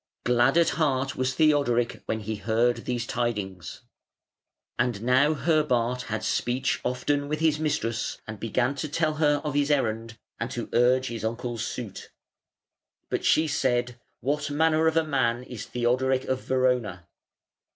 Glad at heart was Theodork when he heard these tidings. And now Herbart had speech often with his mistress, and began to tell her of his errand and to urge his uncle's suit. But she said, "What manner of man is Theodoric of Verona?"